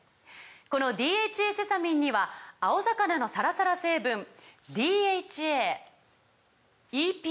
この「ＤＨＡセサミン」には青魚のサラサラ成分ＤＨＡＥＰＡ